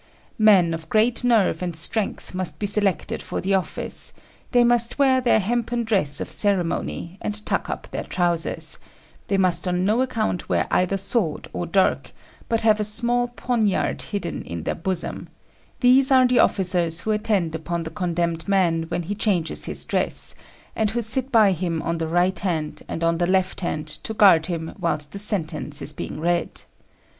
Men of great nerve and strength must be selected for the office; they must wear their hempen dress of ceremony, and tuck up their trousers; they must on no account wear either sword or dirk, but have a small poniard hidden in their bosom: these are the officers who attend upon the condemned man when he changes his dress, and who sit by him on the right hand and on the left hand to guard him whilst the sentence is being read.